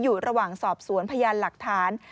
อยู่ระหว่างสอบสวนพยานหลักฐาน